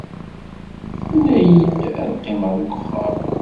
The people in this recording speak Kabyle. Tenna-iyi-d ad qqimeɣ deg uxxam.